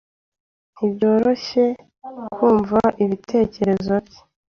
Ntibyoroshye kumva ibitekerezo bye